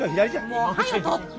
もうはよ撮って。